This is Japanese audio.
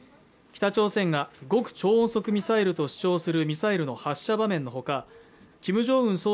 北朝鮮が極超音速ミサイルと主張するミサイルの発射場面のほかキム・ジョンウン